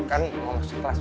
kan mau seklas